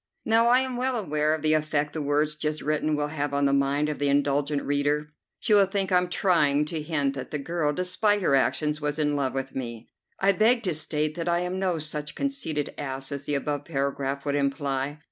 Now, I am well aware of the effect the words just written will have on the mind of the indulgent reader. She will think I'm trying to hint that the girl, despite her actions, was in love with me. I beg to state that I am no such conceited ass as the above paragraph would imply.